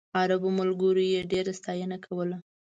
عربو ملګرو یې ډېره ستاینه کوله.